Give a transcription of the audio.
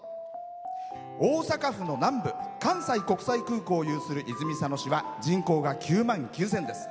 大阪府の南部関西国際空港を有する泉佐野市は人口が９万９０００です。